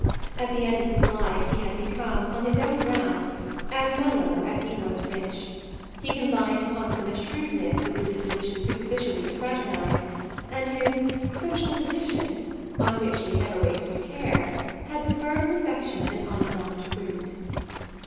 At the end of his life he had become, on his own ground, as mellow as he was rich; he combined consummate shrewdness with the disposition superficially to fraternise, and his "social position," on which he had never wasted a care, had the firm perfection of an unthumbed fruit.